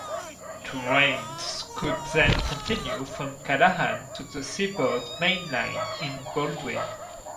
Trains could then continue from Callahan to the Seaboard main line in Baldwin.